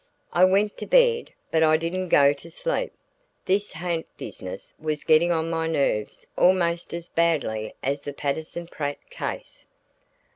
I went to bed but I didn't go to sleep; this ha'nt business was getting on my nerves almost as badly as the Patterson Pratt case.